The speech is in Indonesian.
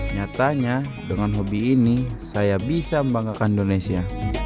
nyatanya dengan hobi ini saya bisa membanggakan indonesia